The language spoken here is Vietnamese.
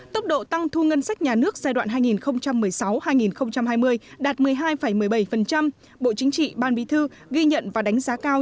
tốc độ tăng thu ngân sách nhà nước giai đoạn hai nghìn một mươi sáu hai nghìn hai mươi đạt một mươi hai một mươi bảy bộ chính trị ban bí thư ghi nhận và đánh giá cao